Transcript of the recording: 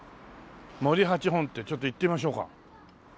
「森八本店」ちょっと行ってみましょうか。